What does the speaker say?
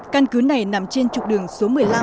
căn cứ này nằm trên trục đường số một mươi năm